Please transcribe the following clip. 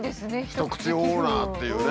一口オーナーっていうね。